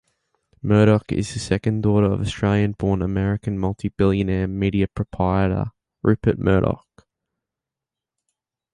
Murdoch is the second daughter of Australian-born American multi-billionaire media proprietor Rupert Murdoch.